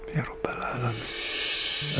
ya rabbal alamin